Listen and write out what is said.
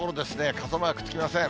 傘マークつきません。